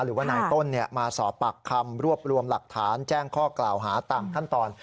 หรือว่านายต้นมาสอบปากคำรวบรวมหลักฐานแจ้งข้อกล่าวหาตามขั้นตอน